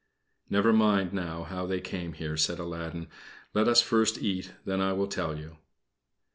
"Never mind now how they came here," said Aladdin. "Let us first eat, then I will tell you."